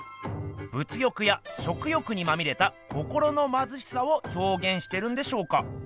物欲や食欲にまみれた心のまずしさをひょうげんしてるんでしょうか？